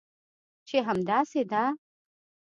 چې همداسې ده؟